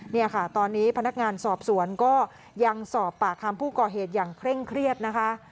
เนี่ยค่ะตอนนี้พนักงานสอบสวนก็ยังสอบปากคำผู้ก่อเหตุอย่างเคร่งเครียดนะคะ